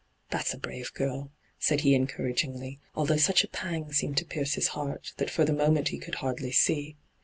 ..,'' That's a brave girl,' said he encouragingly, although such a pang seemed to pierce his heart that for the moment he could hardly see.